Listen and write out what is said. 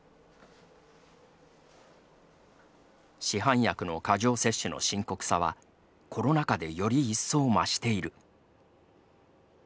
市販薬の過剰摂取の深刻さはコロナ禍でより一層増している。